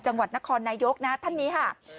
จังหวัดนครนายกนะท่านนี้ค่ะ